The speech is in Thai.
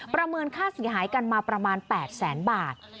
ประเมินค่าเสียหายกันมาประมาณ๘แสนบาท